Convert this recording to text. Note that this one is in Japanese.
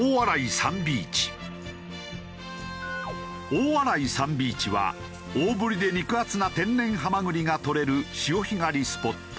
大洗サンビーチは大ぶりで肉厚な天然ハマグリが採れる潮干狩りスポット。